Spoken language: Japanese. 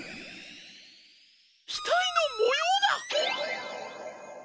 ひたいのもようだ！